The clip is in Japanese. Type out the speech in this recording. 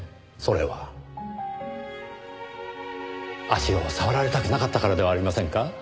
それは足を触られたくなかったからではありませんか？